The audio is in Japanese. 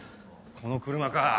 この車か。